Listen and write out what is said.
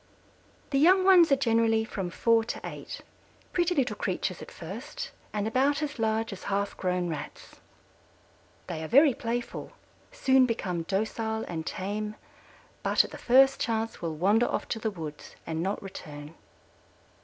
The young ones are generally from four to eight, pretty little creatures at first and about as large as half grown Rats. They are very playful, soon become docile and tame, but at the first chance will wander off to the woods and not return.